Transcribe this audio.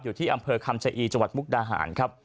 อยู่ที่อำเภอคำชะอีจังหวัดมุกดาหารครับ